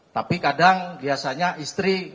tapi kadang biasanya istri